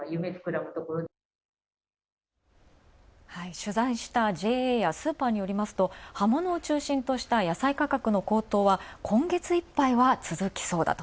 取材したＪＡやスーパーによりますと、葉物を中心とした野菜価格の高騰は今月いっぱいは続きそうだと。